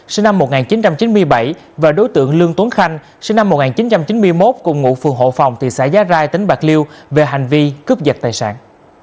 sinh năm một nghìn chín trăm chín mươi bảy và đối tượng lương tuấn khanh sinh năm một nghìn chín trăm chín mươi một cùng ngụ phường hộ phòng thị xã giá rai tỉnh bạc liêu về hành vi cướp giật tài sản